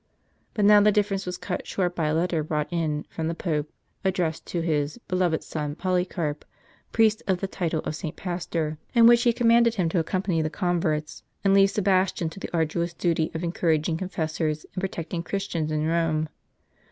But now the differ ence was cut short by a letter brought in, from the Pope, addressed to his "Beloved son Poly carp, priest of th.e title of St. Pastor," in which he commanded him to accompany the converts, and leave Sebastian to the arduous duty of encouraging confessors, and protecting Christians in Rome.